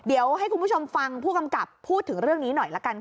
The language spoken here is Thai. เดี๋ยวให้คุณผู้ชมฟังผู้กำกับพูดถึงเรื่องนี้หน่อยละกันค่ะ